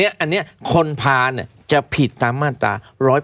อันนี้คนพาจะผิดตามมาตรา๑๘